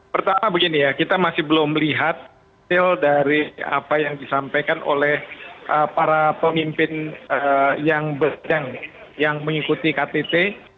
pertama begini ya kita masih belum melihat hasil dari apa yang disampaikan oleh para pemimpin yang mengikuti ktt